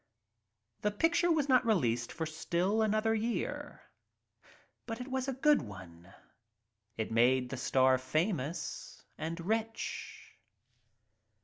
The picture was not released for still another But it was a good one. It made the star famous — and rich.